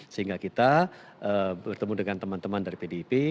sehingga kita bertemu dengan teman teman dari pdip